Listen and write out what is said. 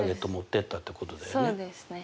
そうですね。